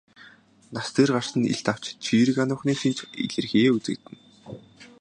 Нас дээр гарсан нь илт авч чийрэг ануухны шинж илэрхийеэ үзэгдэнэ.